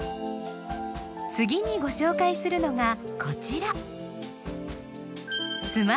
次にご紹介するのがこちら。